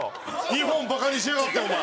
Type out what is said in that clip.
日本バカにしやがってお前。